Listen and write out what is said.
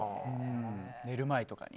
寝る前とかに。